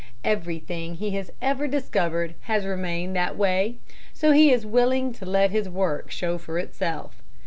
Everything he has ever discovered has remained that way, so he is willing to let his work show for itself.